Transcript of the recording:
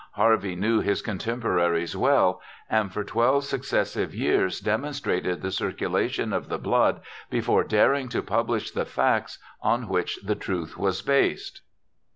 Harvey knew his contemporaries well, and for twelve successive years demonstrated the circulation of the blood before daring to publish the facts on which the truth was based.